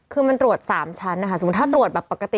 คือมันตรวจ๓ชั้นนะคะสมมุติถ้าตรวจแบบปกติ